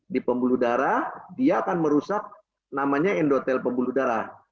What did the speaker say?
di pembuluh darah dia akan merusak namanya endotel pembuluh darah